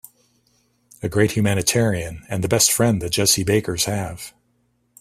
A great humanitarian and the best friend the Jessie Bakers have.